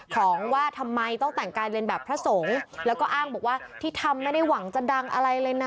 ของว่าทำไมต้องแต่งกายเรียนแบบพระสงฆ์แล้วก็อ้างบอกว่าที่ทำไม่ได้หวังจะดังอะไรเลยนะ